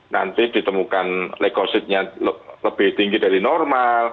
nanti ditemukan lekositnya lebih tinggi dari normal